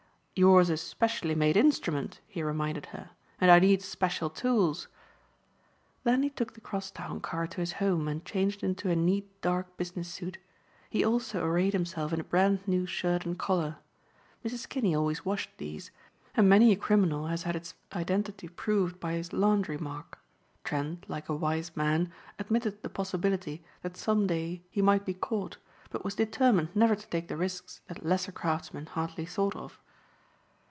"Yours is specially made instrument," he reminded her, "and I need special tools." Then he took the crosstown car to his home and changed into a neat dark business suit. He also arrayed himself in a brand new shirt and collar. Mrs. Kinney always washed these, and many a criminal has had his identity proved by his laundry mark. Trent, like a wise man, admitted the possibility that some day he might be caught but was determined never to take the risks that lesser craftsmen hardly thought of.